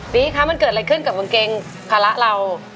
คะมันเกิดอะไรขึ้นกับกางเกงภาระเรา